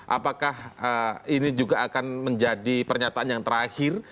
apakah ini juga akan menjadi pernyataan yang terakhir